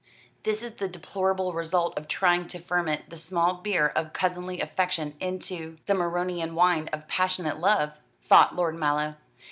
"This is the deplorable result of trying to ferment the small beer of cousinly affection into the Maronean wine of passionate love," thought Lord Mallow.